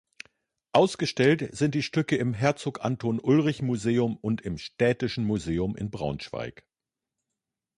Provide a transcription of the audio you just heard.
Ausgestellt sind die Stücke im Herzog Anton Ulrich-Museum und im Städtischen Museum in Braunschweig.